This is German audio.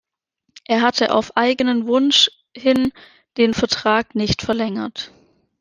Er hatte auf eigenen Wunsch hin den Vertrag nicht verlängert.